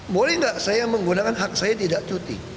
boleh nggak saya menggunakan hak saya tidak cuti